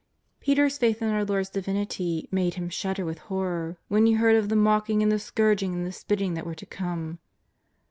Peter's faith in our Lord's Divinity made him shudder with horror when he heard of the mocking and the scourging and the spitting that w^ere to come.